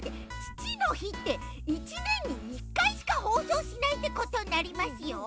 ちちのひって１ねんに１かいしかほうそうしないってことになりますよ。